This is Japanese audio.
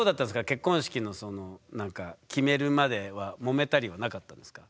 結婚式のその決めるまではもめたりはなかったんですか？